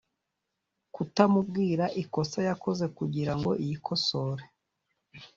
kutamubwira ikosa yakoze kugira ngo yikosore